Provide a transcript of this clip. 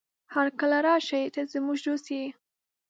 هرکله راشې، ته زموږ دوست يې.